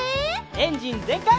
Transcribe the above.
エンジンぜんかい！